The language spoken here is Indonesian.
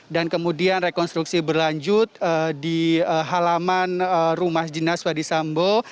dan kemudian rekonstruksi berlanjut di halaman rumah dinas ferdis sambo